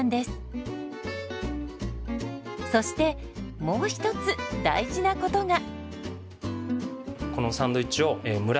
そしてもう一つ大事なことが。